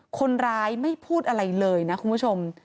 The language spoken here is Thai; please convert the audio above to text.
คนร้ายไม่พูดอะไรเลยนะคุณผู้ชม